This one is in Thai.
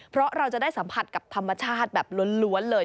เพราะเราจะได้สัมผัสกับธรรมชาติแบบล้วนเลย